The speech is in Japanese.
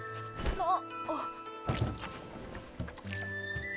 あっ。